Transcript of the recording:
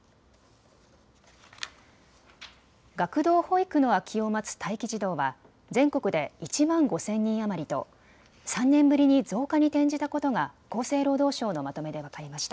学童保育の空きを待つ待機児童は全国で１万５０００人余りと３年ぶりに増加に転じたことが厚生労働省のまとめで分かりました。